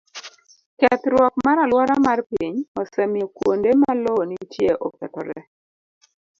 Kethruok mar alwora mar piny osemiyo kuonde ma lowo nitie okethore.